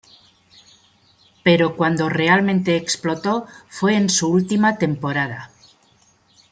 Pero cuando realmente explotó fue en su última temporada.